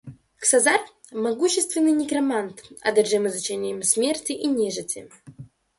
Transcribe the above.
Ксазар, могущественный некромант, одержим изучением смерти и нежити.